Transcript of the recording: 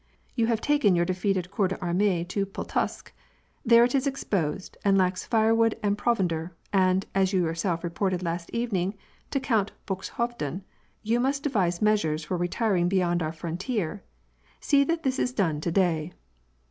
You have taken your defeated corps d'amiee into Pultusk; there it is exposed, and lacks firewood and provender, and, as you yourself reported last evening to Count Buxhovden, you must de vise measures for retiring beyond our frontier; see that this is done toHlay."